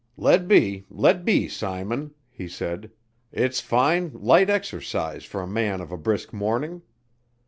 "Let be, let be, Simon," he said, "it's fine, light exercise for a man of a brisk morning.